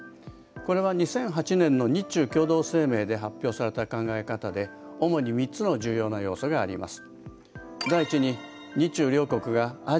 これは２００８年の日中共同声明で発表された考え方で主に３つの重要な要素があります。